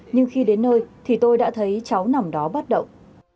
nhưng khi đến nơi thì tôi đã thấy cháu nằm đó bắt đầu